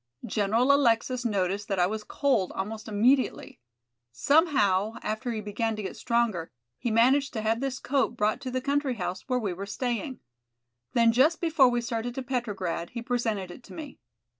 General Alexis noticed that I was cold almost immediately. Somehow, after he began to get stronger, he managed to have this coat brought to the country house where we were staying. Then just before we started to Petrograd he presented it to me.